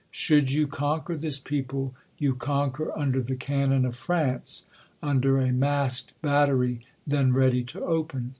Should you conquer this people, you conquer, undei the cannon of France ; under a masked battery then ready to open.